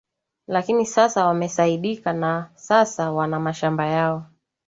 Lakini sasa wamesaidika na sasa wana mashamba yao